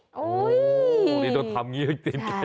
โอ้โฮที่จะทำอย่างนี้แหละตีนไก่